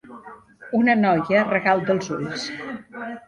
Una noia regal dels ulls.